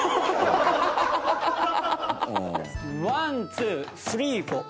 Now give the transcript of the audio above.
ワンツースリーフォー。